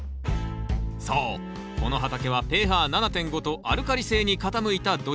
そうこの畑はｐＨ７．５とアルカリ性に傾いた土壌。